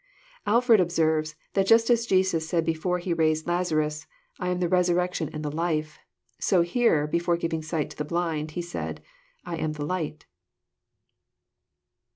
Alford observes, that just as Jesus said before He raised Lazarus, <'I am the Resurrection and the Life," so here^ before giving sight to the blind, he said, <* I am the Light."